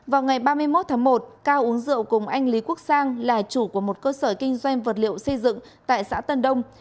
vào ngày ba mươi một tháng một cao uống rượu cùng anh lý quốc sang là chủ của một cơ sở kinh doanh vật liệu xây dựng tại xã tân đông